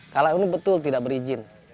kalau ini betul tidak berizin